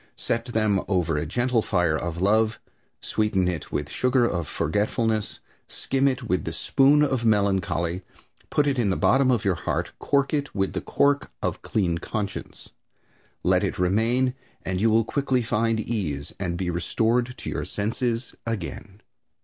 Set them over a gentle fire of love, sweeten it with sugar of forgetfulness, skim it with the spoon of melancholy, put it in the bottom of your heart, cork it with the cork of clean conscience. Let it remain and you will quickly find ease and be restored to your senses again.